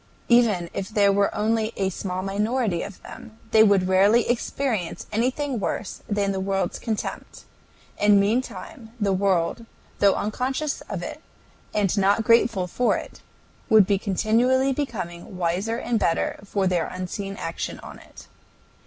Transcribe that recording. Even if there were only a small minority of them, they would rarely experience anything worse than the world's contempt, and meantime the world, though unconscious of it, and not grateful for it, would be continually becoming wiser and better for their unseen action on it.